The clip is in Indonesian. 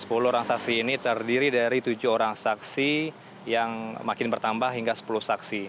sepuluh orang saksi ini terdiri dari tujuh orang saksi yang makin bertambah hingga sepuluh saksi